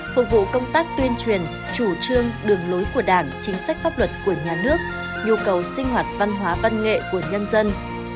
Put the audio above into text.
phục vụ công tác tuyên truyền chủ trương đường lối của đảng chính sách pháp luật của nhà nước nhu cầu sinh hoạt văn hóa văn nghệ của nhân dân